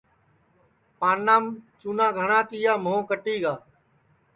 پانام چُونا گھٹؔا یا موھ کٹی گا